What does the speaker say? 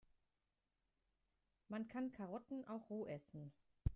Man kann Karotten auch roh essen.